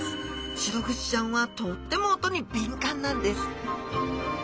シログチちゃんはとっても音に敏感なんです